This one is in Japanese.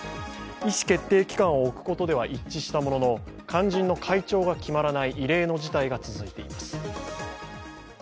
意思決定機関を置くことでは一致したものの肝心の会長が決まらない異例の事態が続いています。